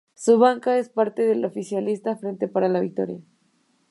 Su banca es parte del oficialista Frente para la Victoria.